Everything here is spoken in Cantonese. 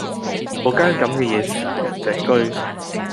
果間咁嘅野食人隻車